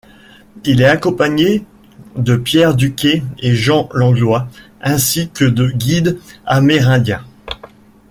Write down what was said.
Il était accompagné de Pierre Duquet et Jean Langlois, ainsi que de guides amérindiens.